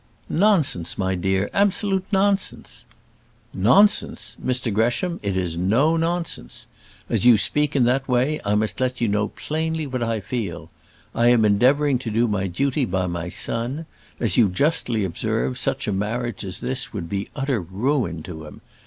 "Nonsense, my dear; absolute nonsense." "Nonsense! Mr Gresham; it is no nonsense. As you speak in that way, I must let you know plainly what I feel. I am endeavouring to do my duty by my son. As you justly observe, such a marriage as this would be utter ruin to him.